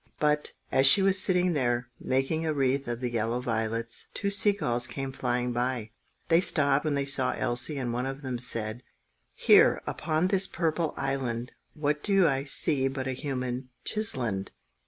But, as she was sitting there, making a wreath of the yellow violets, two sea gulls came flying by. They stopped when they saw Elsie, and one of them said,— "Here, upon this purple island, What do I see but a human chisland!"